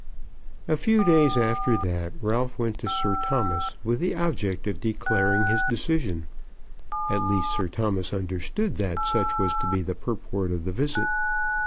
A few days after that Ralph went to Sir Thomas, with the object of declaring his decision; at least Sir Thomas understood that such was to be the purport of the visit.